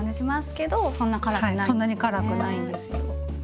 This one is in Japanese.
はいそんなに辛くないんですよ。